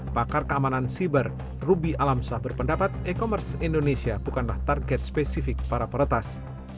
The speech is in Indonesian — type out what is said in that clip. pakar keamanan siber ruby alamsah berpendapat e commerce indonesia bukanlah target spesifik para peretas